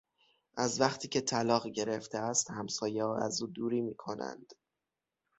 از وقتی که طلاق گرفته است همسایهها از او دوری میکنند.